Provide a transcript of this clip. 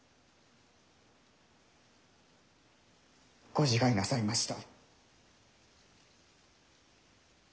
ご自害なさいました。